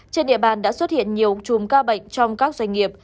trên địa bàn đã xuất hiện nhiều chùm ca bệnh trong các doanh nghiệp